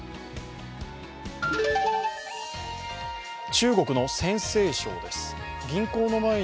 中国の陝西省です。